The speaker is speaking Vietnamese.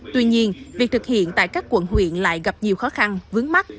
tuy nhiên việc thực hiện tại các quận huyện lại gặp nhiều khó khăn vướng mắt